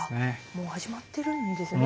もう始まってるんですね。